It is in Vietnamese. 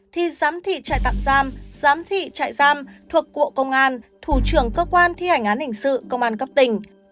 thì giám thị trại tạm giam giám thị trại giam thuộc bộ công an thủ trưởng cơ quan thi hành án hình sự công an cấp tỉnh